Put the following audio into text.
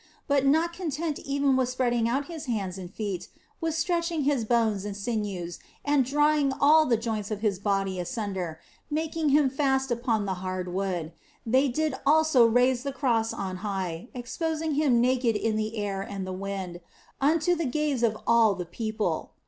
But not content even with spreading out His hands and feet, with stretching His bones and sinews and drawing all the joints of His body asunder, making Him fast unto the hard wood, they did also raise the Cross on high, exposing Him naked in the air and the wind, unto the gaze of all 80 THE BLESSED ANGELA people.